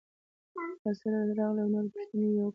څاسره راغلې او نور پوښتنې یې وکړې.